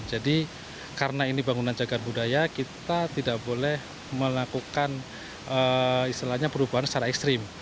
jadi karena ini bangunan jagad budaya kita tidak boleh melakukan perubahan secara ekstrim